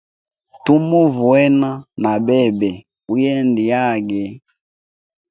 Tumuva wena na bebe uyende yage.